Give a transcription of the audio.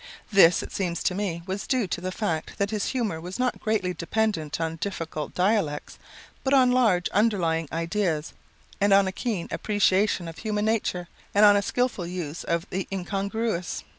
This, it seems to me, was due to the fact that his humor was not greatly dependent on difficult dialects, but on large underlying ideas and on a keen appreciation of human nature, and on a skillful use of the incongruous.